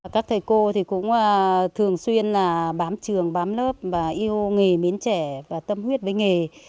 các thầy cô thì cũng thường xuyên là bám trường bám trường